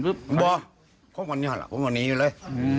ไม่พบวันนี้พบวันนี้เลย